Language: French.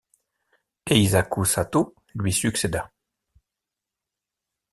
Eisaku Satō lui succéda.